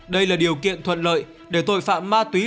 đây là điều kiện thuận lợi để tội phạm ma túy